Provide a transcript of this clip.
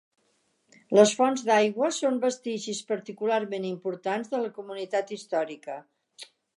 Les fonts d'aigua són vestigis particularment importants de la comunitat històrica.